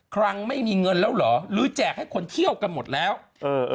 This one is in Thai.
ครั้งไม่มีเงินแล้วเหรอหรือแจกให้คนเที่ยวกันหมดแล้วเออ